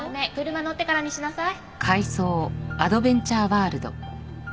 車乗ってからにしなさい。